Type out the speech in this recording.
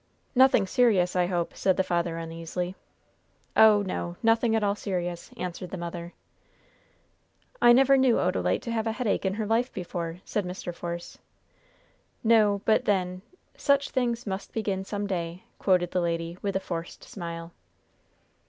"Nothing serious, I hope," said the father, uneasily. "Oh, no, nothing at all serious," answered the mother. "I never knew Odalite to have a headache in her life before," said Mr. Force. "No, but then "'Such things must begin, some day,'" quoted the lady, with a forced smile.